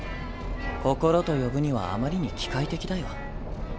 心と呼ぶにはあまりに機械的だよ。